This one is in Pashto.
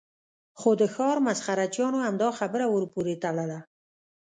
خو د ښار مسخره چیانو همدا خبره ور پورې تړله.